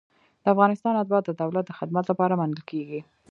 د افغانستان اتباع د دولت د خدمت لپاره منل کیږي.